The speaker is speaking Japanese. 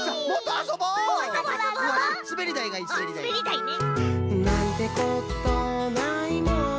あっすべりだいね。